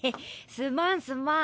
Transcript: すまんすまん。